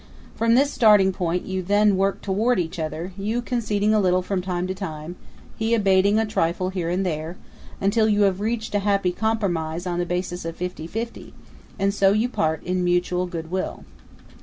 From this starting point you then work toward each other, you conceding a little from time to time, he abating a trifle here and there, until you have reached a happy compromise on a basis of fifty fifty; and so you part in mutual good will.